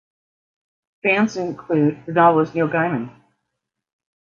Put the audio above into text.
Fans include the novelist Neil Gaiman.